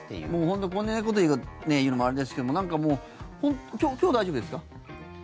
本当こんなこと言うのもあれですけども今日は大丈夫ですか？